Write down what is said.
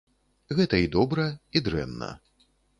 Гэта і добра, і дрэнна.